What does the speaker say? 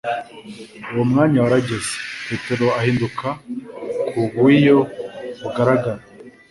Uwo mwanya warageze, Petero ahinduka ku buiyo bugaragara.